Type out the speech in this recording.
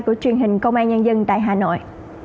của truyền hình công an nhân dân tại hà nội